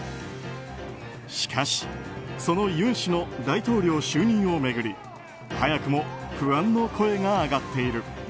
しかし、その尹氏の大統領就任を巡り早くも不安の声が上がっている。